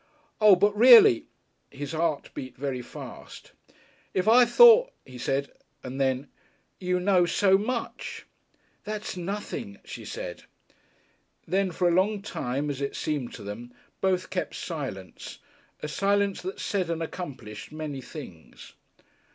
"Oo! But reely " His heart beat very fast. "If I thought," he said, and then, "you know so much." "That's nothing," she said. Then, for a long time, as it seemed to them, both kept silence, a silence that said and accomplished many things.